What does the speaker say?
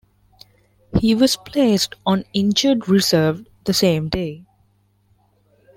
He was placed on injured reserve the same day.